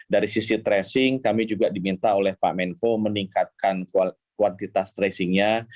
dari sisi tracing kami juga diminta oleh pak menko meningkatkan kuantitas tracingnya